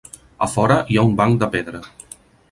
A fora hi ha un banc de pedra.